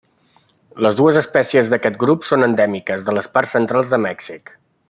Les dues espècies d'aquest grup són endèmiques de les parts centrals de Mèxic.